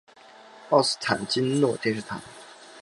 奥斯坦金诺电视塔。